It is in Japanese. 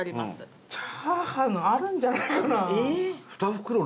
チャーハンあるんじゃないかな？